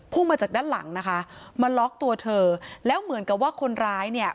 มาจากด้านหลังนะคะมาล็อกตัวเธอแล้วเหมือนกับว่าคนร้ายเนี่ย